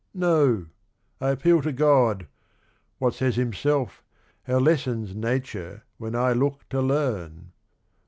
No, I appeal to God, — what says Himself, How lessons Nature when I look to learn?